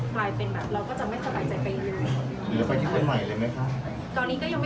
ที่เราเคยบอกว่ามันเคยมีเรื่องที่ทำให้เรารู้สึกใหม่